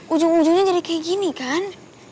ujung ujungnya jadi kayak gini kan